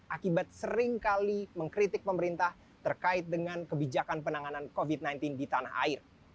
akibat seringkali mengkritik pemerintah terkait dengan kebijakan penanganan covid sembilan belas di tanah air